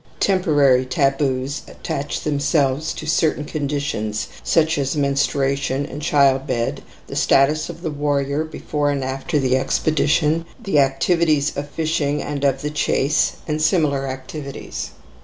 Temporary taboos attach themselves to certain conditions such as menstruation and child bed, the status of the warrior before and after the expedition, the activities of fishing and of the chase, and similar activities.